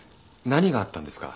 何があったんですか？